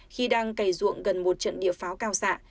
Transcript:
khi đang cày ruộng gần một trận địa pháo cao xạ